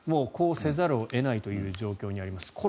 こうせざるを得ない状況にあります。